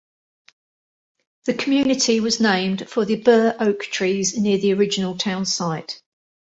The community was named for the burr oak trees near the original town site.